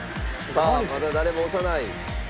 さあまだ誰も押さない。